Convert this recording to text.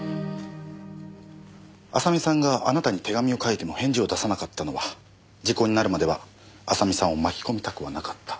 麻美さんがあなたに手紙を書いても返事を出さなかったのは時効になるまでは麻美さんを巻き込みたくはなかった。